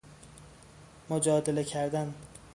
مجادله کردن